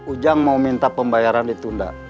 ujang mau minta pembayaran ditunda